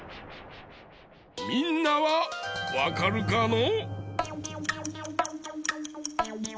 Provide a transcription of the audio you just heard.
みんなはわかるかの？